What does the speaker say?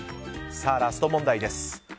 ラスト問題です。